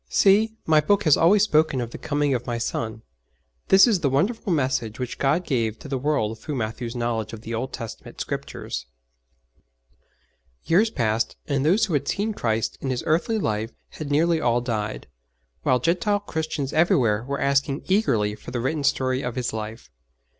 'See, My Book has always spoken of the coming of My Son.' This is the wonderful message which God gave to the world through Matthew's knowledge of the Old Testament Scriptures. Years passed, and those who had seen Christ in His earthly life had nearly all died, while Gentile Christians everywhere were asking eagerly for the written story of His life.